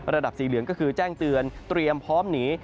สีเหลืองก็คือแจ้งเตือนเตรียมพร้อมหนี